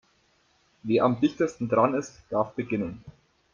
Wer am dichtesten dran ist, darf beginnen.